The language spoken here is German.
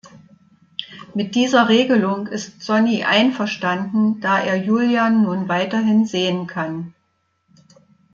Mit dieser Regelung ist Sonny einverstanden, da er Julian nun weiterhin sehen kann.